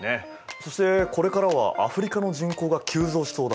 そしてこれからはアフリカの人口が急増しそうだ。